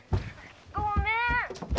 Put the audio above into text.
☎ごめん。